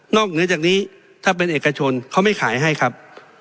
เหนือจากนี้ถ้าเป็นเอกชนเขาไม่ขายให้ครับ